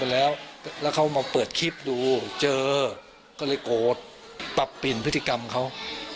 แล้วเขามาเปิดคลิปดูเจอก็เลยโกรธปรับเปลี่ยนพฤติกรรมเขา